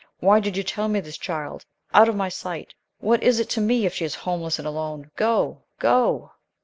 Why did you tell me this, child? Out of my sight! What is it to me if she is homeless and alone? Go! Go!"